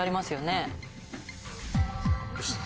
よし！